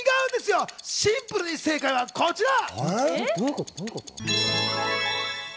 シンプルに正解はこちら！